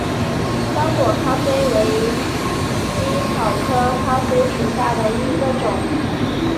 刚果咖啡为茜草科咖啡属下的一个种。